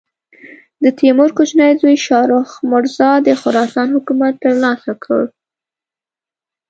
د تیمور کوچني زوی شاهرخ مرزا د خراسان حکومت تر لاسه کړ.